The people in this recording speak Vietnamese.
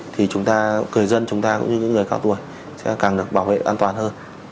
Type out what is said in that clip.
thì chúng ta người dân chúng ta cũng như những người cao tuổi sẽ càng được bảo vệ an toàn hơn